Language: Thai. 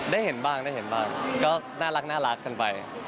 ได้เห็นบ้างก็น่ารักขึ้นไป